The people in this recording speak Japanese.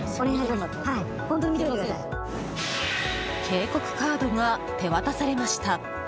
警告カードが手渡されました。